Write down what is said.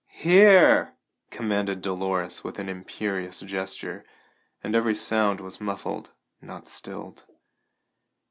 "Hear!" commanded Dolores with an imperious gesture, and every sound was muffled, not stilled.